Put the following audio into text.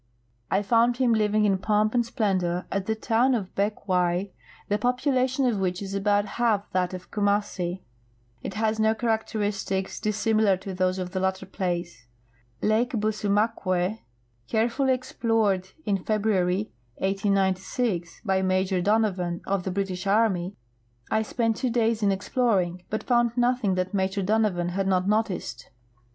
I found him living in pomp and splendor at the town of Beckwai, the population of which is about half that of Kumassi. It has no characteristics THE GOLD COAST, ASHAXTl, AND KUMASSI 15 dissimilar to those of the hitter phice. Lake Busuniakwe, care fully explored in February, 1896, by Major Donovan, of the British army, I spent two days in exploring, ])Ut found nothing that Major Donovan had not noticed.